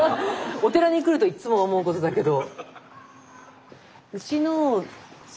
お寺に来るといっつも思うことだけど。